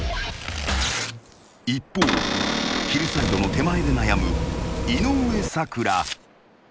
［一方ヒルサイドの手前で悩む井上咲楽］